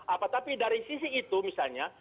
apa tapi dari sisi itu misalnya